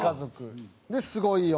『すごいよ！！